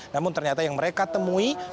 namun ternyata yang mereka temui